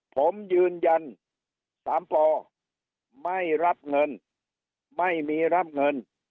ผมยืนยัน๓ปไม่รับเงินไม่มีรับเงิน